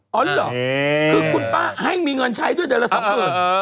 อ๋อหรือหรอคือคุณป้าให้มีงวัญใช้ด้วยแต่ละสองหมื่น